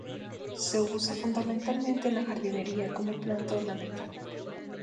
Se usa fundamentalmente en jardinería, como planta ornamental.